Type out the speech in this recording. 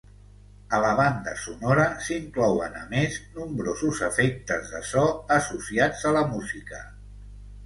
A la banda sonora s'inclouen, a més, nombrosos efectes de so associats a la música.